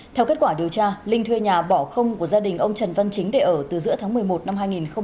theo kết quả điều tra linh thuê nhà bỏ không của gia đình ông trần văn chính để ở từ giữa tháng một mươi một năm hai nghìn một mươi chín